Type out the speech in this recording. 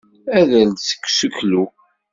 Ader-d seg useklu.